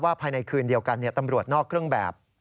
ภายในคืนเดียวกันตำรวจนอกเครื่องแบบ